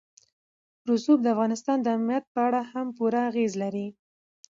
رسوب د افغانستان د امنیت په اړه هم پوره اغېز لري.